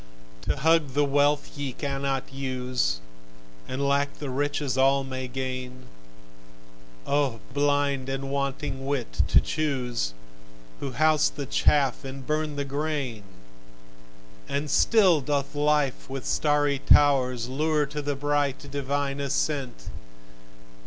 To hug the wealth ye cannot use, And lack the riches all may gain, O blind and wanting wit to choose, Who house the chaff and burn the grain! And still doth life with starry towers Lure to the bright, divine ascent!